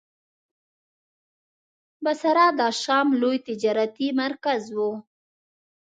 بصره د شام لوی تجارتي مرکز و.